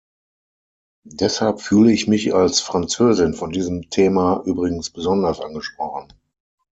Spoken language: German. Deshalb fühle ich mich als Französin von diesem Thema übrigens besonders angesprochen.